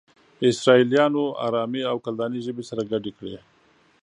اسرائيليانو آرامي او کلداني ژبې سره گډې کړې.